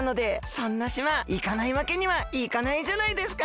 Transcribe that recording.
そんな島いかないわけにはいかないじゃないですか！